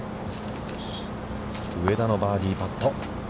上田のバーディーパット。